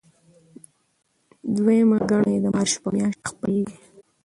دویمه ګڼه یې د مارچ په میاشت کې خپریږي.